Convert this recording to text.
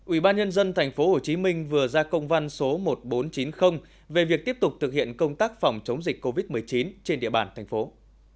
ủy ban nhân dân tp hcm vừa ra công văn số một nghìn bốn trăm chín mươi về việc tiếp tục thực hiện công tác phòng chống dịch covid một mươi chín trên địa bàn thành phố